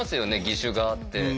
義手があって。